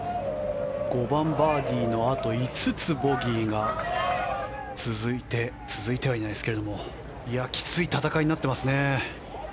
５番、バーディーのあと５つボギーが続いて続いてはいないですけどきつい戦いになってますね。